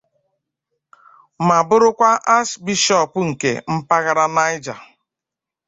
ma bụrụkwa Achbishọọpụ nke mpaghara Naịjà